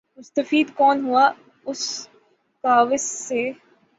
مستفید کون ہوا اس کاؤس سے ۔